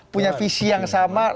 punya visi yang sama